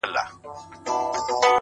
• شپه د مستۍ ده له خمار سره مي نه لګیږي,